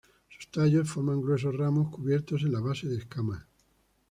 Sus tallos forman gruesos ramos cubiertos en la base de escamas.